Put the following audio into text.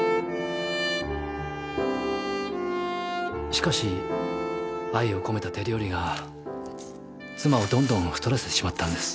しかし愛を込めた手料理が妻をどんどん太らせてしまったんです。